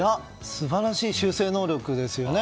素晴らしい修正能力ですね。